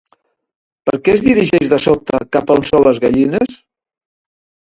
Per què es dirigeix de sobte cap a on són les gallines?